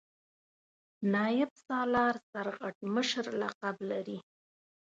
نایب سالار سرغټ مشر لقب لري.